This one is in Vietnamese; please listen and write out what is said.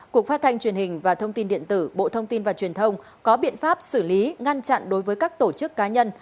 cục phát thanh truyền hình và thông tin điện tử bộ thông tin và truyền thông có biện pháp xử lý ngăn chặn đối với các tổ chức cá nhân